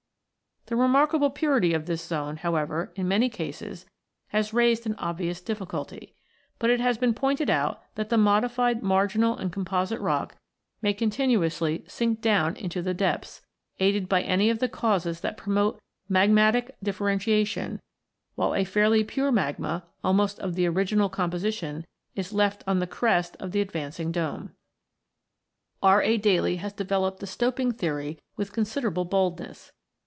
The remarkable purity of this zone, however, in many cases has raised an obvious diffi culty; but it has been pointed out (75) that the modified marginal and composite rock may continuously sink down into the depths, aided by any of the causes that v] IGNEOUS ROCKS 127 promote magmatic differentiation, while a fairly pure magma, almost of the original composition, is left on the crest of the advancing dome. R. A. Daly (76) has developed the stoping theory with considerable bold ness.